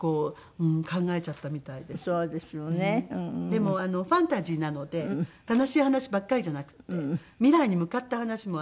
でもファンタジーなので悲しい話ばっかりじゃなくて未来に向かった話もあるので。